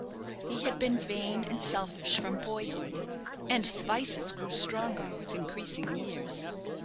He had been vain and selfish from boyhood, and his vices grew stronger with increasing years.